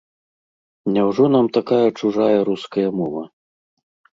Няўжо нам такая чужая руская мова?